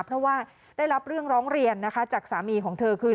เพราะว่าได้รับเรื่องร้องเรียนนะคะจากสามีของเธอคือ